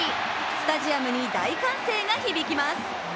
スタジアムに大歓声が響きます。